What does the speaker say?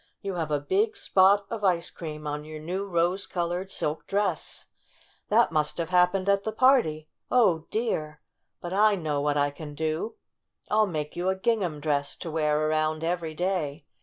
"You have a big spot of ice cream on your new rose colored 84 STORY OF A SAWDUST DOLL silk dress ! That must have happened at the party. Oh, dear ! But I know what I can do ! I'll make you a gingham dress to wear around every day.